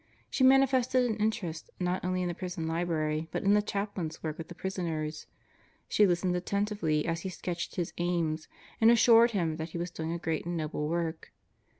She manifested an interest not only in the prison library but in the chaplain's work with the prisoners. She listened attentively as he sketched his aims and assured him that he was doing a great and noble work.